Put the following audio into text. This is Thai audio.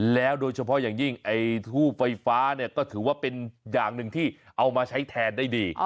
แล้วโดยเฉพาะอย่างยิ่งไอ้ทูบไฟฟ้าเนี่ยก็ถือว่าเป็นอย่างหนึ่งที่เอามาใช้แทนได้ดี